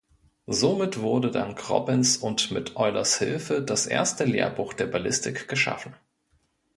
Somit wurde dank Robins und mit Eulers Hilfe „das erste Lehrbuch der Ballistik“ geschaffen.